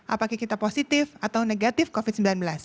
apakah kita positif atau negatif covid sembilan belas